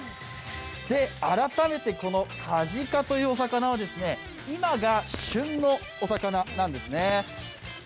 改めて、このカジカというお魚は、今が旬のお魚なんですね。